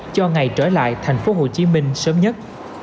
cho ngày trở lại thành phố hồ chí minh sớm nhất